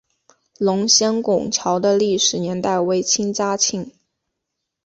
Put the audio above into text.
龙仙拱桥的历史年代为清嘉庆。